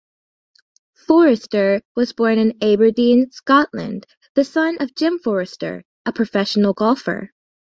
Forrester was born in Aberdeen, Scotland, the son of Jim Forrester a professional golfer.